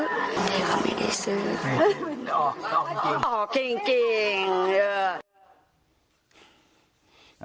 เดี๋ยวเขาไม่ได้ซื้ออ๋อจริงจริงเออ